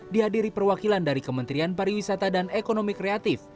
di hadiri perwakilan dari kementerian pariwisata dan ekonomi kreatif